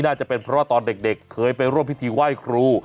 น่าจะเป็นเพราะว่าตอนเด็กเคยไปร่วมพิธีไหว้ครู